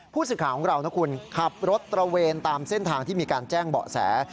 ผู้สื่อข่าวของเรานะคุณขับรถตระเวนตามเส้นทางที่มีการแจ้งเบาะแส